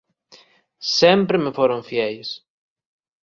Sempre me foron fieis.